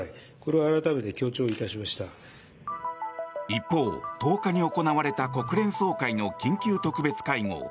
一方、１０日に行われた国連総会の緊急特別会合。